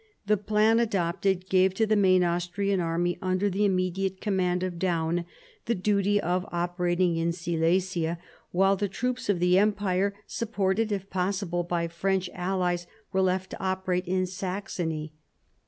The plan adopted gave to the main Austrian army, under the immediate command of Daun, the duty of operating in Silesia; while the troops of the Empire, supported if possible by French allies, were left to operate in Saxony.